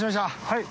はい。